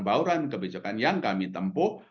bauran kebijakan yang kami tempuh